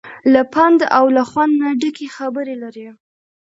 له پند او له خوند نه ډکې خبرې لري.